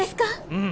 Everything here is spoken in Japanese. うん。